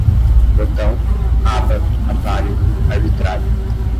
botão, aba, atalho, arbitrário